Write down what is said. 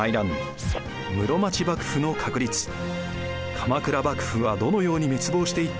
鎌倉幕府はどのように滅亡していったのか。